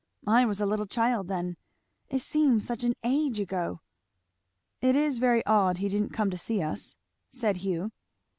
I was a little child then. It seems such an age ago! " "It is very odd he didn't come to see us," said Hugh.